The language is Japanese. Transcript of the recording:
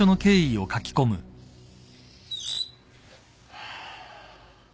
ハァ。